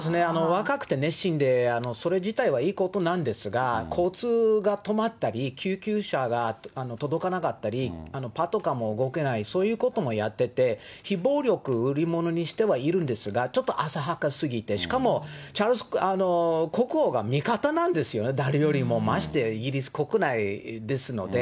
若くて熱心で、それ自体はいいことなんですが、交通が止まったり、救急車が届かなかったり、パトカーも動けない、そういうこともやってて、非暴力を売り物にしてはいるんですが、ちょっと浅はかすぎて、しかもチャールズ国王が味方なんですよね、誰よりも、ましてイギリス国内ですので。